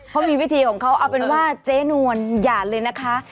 เขามีวิธีของเขาเอาเป็นว่าเจ๊นวลอย่าเลยนะคะ